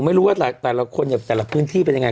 ไม่รู้ว่าแต่ละคนเนี่ยแต่ละพื้นที่เป็นยังไง